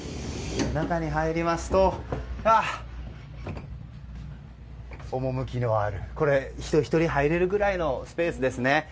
中に入りますと趣のある人１人、入れるぐらいのスペースですね。